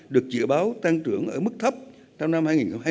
được dự báo tăng trưởng ở mức thấp trong năm hai nghìn hai mươi